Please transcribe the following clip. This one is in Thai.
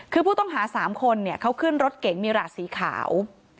คือผู้ต้องหา๓คนเขาขึ้นรถเก๋งมิราสีขาว